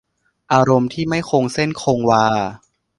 อารมณ์ที่ไม่คงเส้นคงวา